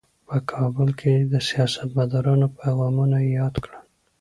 په کابل کې د سیاستمدارانو پیغامونه یې یاد کړل.